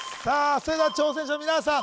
それでは挑戦者の皆さん